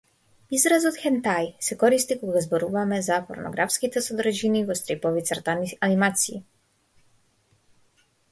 Изразот хентаи се користи кога зборуваме за порнографските содржини во стрипови и цртани анимации.